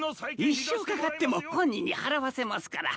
一生かかっても本人に払わせますから。